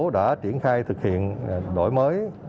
đã triển khai thực hiện đổi mới